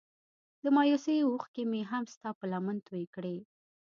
د مايوسۍ اوښکې مې هم ستا په لمن توی کړې.